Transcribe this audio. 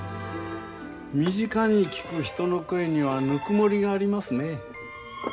身近に聞く人の声にはぬくもりがありますね。